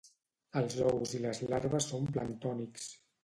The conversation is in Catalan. Els ous i les larves són planctònics.